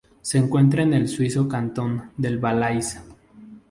Se encuentra en el suizo Cantón del Valais.